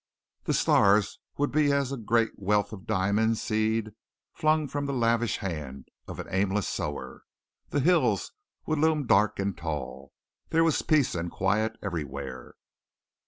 The stars would be as a great wealth of diamond seed flung from the lavish hand of an aimless sower. The hills would loom dark and tall. There was peace and quiet everywhere.